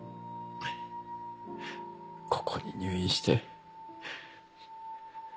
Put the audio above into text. ここに入院して。